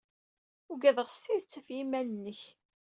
Ugadeɣ s tidet ɣef yimal-nnek.